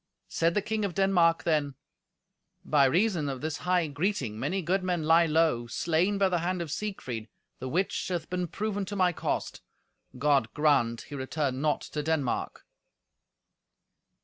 Said the King of Denmark then, "By reason of this high greeting many good men lie low, slain by the hand of Siegfried, the which hath been proven to my cost. God grant he return not to Denmark!"